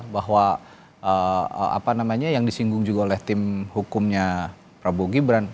bahwa apa namanya yang disinggung juga oleh tim hukumnya prabowo gibran